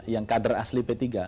yang kader asli p tiga